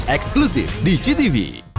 eksklusif di ctv